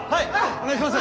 お願いします。